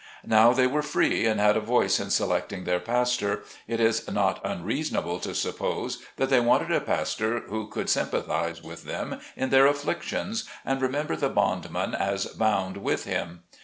Now they were free ?nd had a voice in selecting their pastor, it is not unreasonable to suppose, that they wanted a pastor who could sympathize with them in their afflictions, and remember the bondman as bound with him.